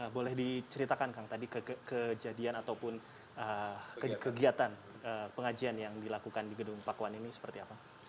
boleh diceritakan kang tadi kejadian ataupun kegiatan pengajian yang dilakukan di gedung pakuan ini seperti apa